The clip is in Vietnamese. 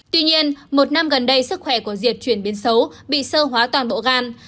tuy nhiên một năm gần đây sức khỏe của diệt chuyển biến xấu bị sơ hóa toàn bộ gan